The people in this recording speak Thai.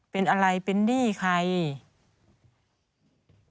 เป็นอะไรเป็นหนี้ใคร